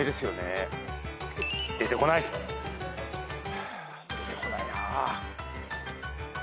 ハァ出てこないな。